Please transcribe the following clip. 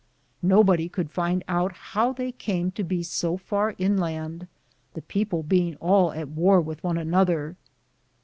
Nobody could find out how they came to be so far inland, the peo ple being all at war with one another.